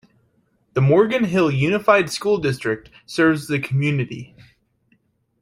The Morgan Hill Unified School District serves the community.